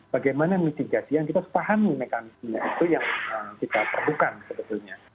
bagaimana mitigasi yang kita pahami mekanisme itu yang kita perlukan sebetulnya